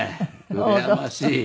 うらやましい。